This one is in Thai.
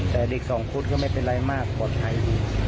แต่เด็กสองคนก็ไม่เป็นไรมากปลอดภัย